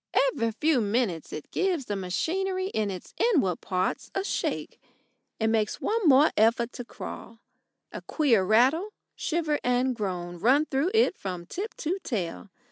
Every few minutes it gives the machinery in its inward parts a shake, and makes one more effort to crawl. A queer rattle, shiver, and groan run through it from tip to tail.